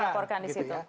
bisa dilaporkan di situ